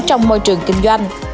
trong môi trường kinh doanh